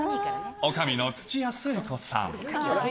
おかみの土屋すえ子さん。